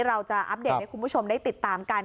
เราจะอัปเดตให้คุณผู้ชมได้ติดตามกัน